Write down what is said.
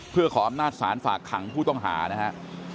เพื่อขออำนาจศาลฝากขังผู้ต้องหานะครับ